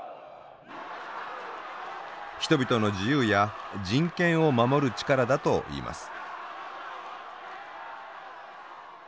人々の自由や人権を守る力だと言います。